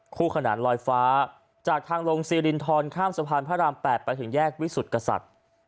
คู่ขนานลอยฟ้าจากทางลงซีรินทรข้ามสะพานพระราม๘ไปถึงแยกวิสุทธิกษัตริย์